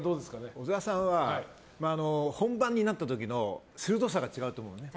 小沢さんは本番になった時の鋭さが違うと思うね。